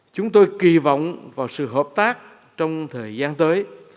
chúng tôi kỳ vọng vào sự hợp tác trong thời gian tới